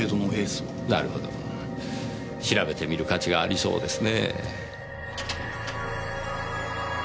なるほど調べてみる価値がありそうですねぇ。